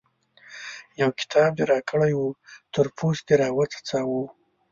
يو کتاب دې راکړی وو؛ تر پوست دې راوڅڅاوو.